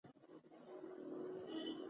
مستقبل فعل دوه بڼې لري په پښتو ژبه.